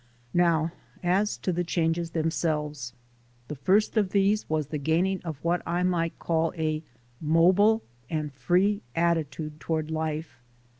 Now as to the changes themselves: The first of these was the gaining of what I might call a mobile and free attitude toward life.